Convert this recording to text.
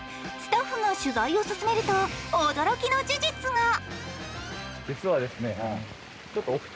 スタッフが取材を進めると驚きの事実が。